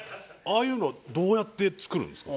ああいうのはどうやって作るんですか？